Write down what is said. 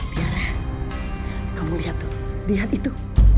tiara kamu lihat tuh lihat itu